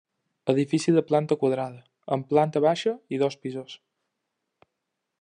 Edifici de planta quadrada, amb planta baixa i dos pisos.